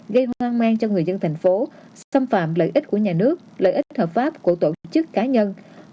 gây hoang mang cho người dân thành phố xâm phạm lợi ích của nhà nước lợi ích hợp pháp của tổ chức cá nhân